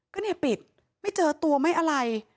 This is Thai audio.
ก็เนี่ยปิดไม่เจอตัวไม่อะไร